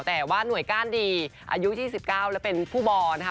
แต่ว่าหน่วยก้านดีอายุ๒๙และเป็นผู้บอลนะคะ